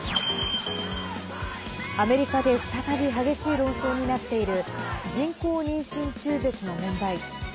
アメリカで再び激しい論争になっている人工妊娠中絶の問題。